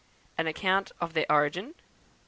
An Account of their Origin; 2.